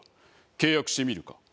契約してみるか？